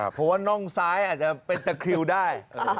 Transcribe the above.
เพราะว่าน่องซ้ายอาจจะเป็นตะคริวได้